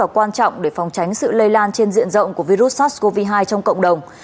quan trọng để phòng tránh sự lây lan trên diện rộng của virus sars cov hai trong cộng đồng